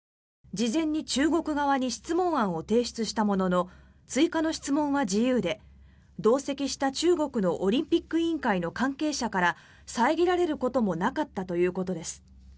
事前に中国側に質問案を提出したものの追加の質問は自由で同席した中国のオリンピック委員会の関係者から遮られることもなかったということです。